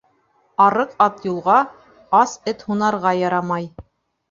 Арыҡ ат юлға, ас эт һунарға ярамай.